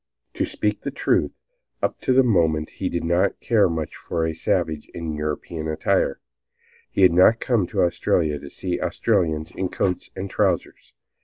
To speak the truth, up to that moment he did not care much for a savage in European attire. He had not come to Australia to see Australians in coats and trousers.